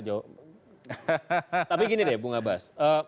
tapi gini deh bung abbas